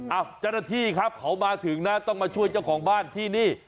เจ้าหน้าที่ครับเขามาถึงนะต้องมาช่วยเจ้าของบ้านที่นี่